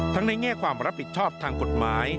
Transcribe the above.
ในแง่ความรับผิดชอบทางกฎหมาย